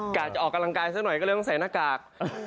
จะออกกำลังกายซะหน่อยก็เลยต้องใส่หน้ากาก